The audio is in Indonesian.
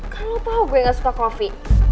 kan lo tau gue gak suka kopi